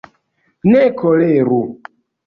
ne koleru.